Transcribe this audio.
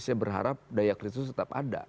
saya berharap daya krisis tetap ada